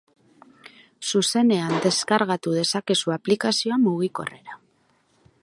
Zuzenean deskargatu dezakezu aplikazioa mugikorrera.